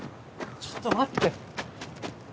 ちょっと待って。